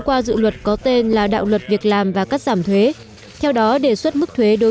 tại bảo tàng phụ nữ việt nam ba mươi sáu lý thường kiệt hà nội